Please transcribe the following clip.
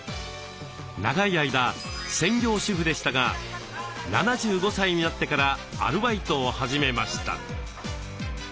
長い間専業主婦でしたが７５歳になってからアルバイトを始めました。